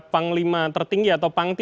panglima tertinggi atau pangti